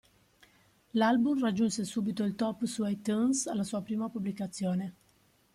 L'album raggiunse subito il top su iTunes alla sua prima pubblicazione.